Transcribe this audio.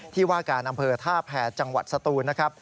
ที่ว่าการอำเภอท่าแผ่จังหวัดสตูนนะครับ